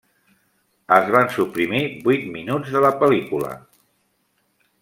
Es van suprimir vuit minuts de la pel·lícula.